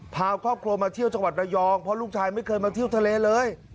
พาครอบครัวมาเที่ยวจังหวัดระยองเพราะลูกชายไม่เคยมาเที่ยวทะเลเลย